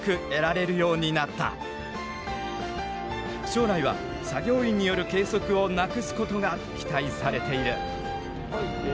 将来は作業員による計測をなくすことが期待されている。